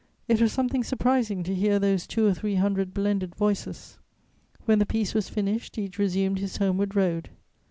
It was something surprising to hear those two or three hundred blended voices. When the piece was finished, each resumed his homeward road.